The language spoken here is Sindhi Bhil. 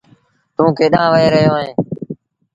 توٚنٚ ڪيڏآݩهݩ وهي رهيو اهينٚ؟